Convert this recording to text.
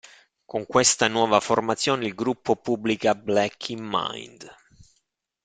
Con questa nuova formazione il gruppo pubblica "Black in Mind".